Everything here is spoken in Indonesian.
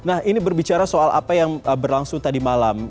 nah ini berbicara soal apa yang berlangsung tadi malam